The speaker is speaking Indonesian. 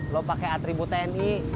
lu pake atribu tni